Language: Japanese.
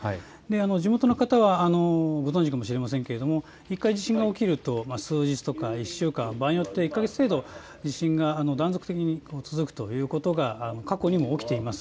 地元の方はご存じかもしれませんが１回地震が起きると数日とか１週間、場合によって１か月程度地震が断続的に続くということが過去にも起きています。